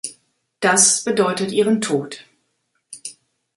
Das bedeutet ihren Tod.